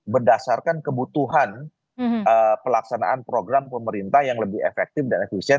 berdasarkan kebutuhan pelaksanaan program pemerintah yang lebih efektif dan efisien